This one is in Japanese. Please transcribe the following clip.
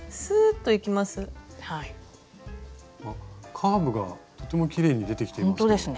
カーブがとてもきれいに出てきていますね。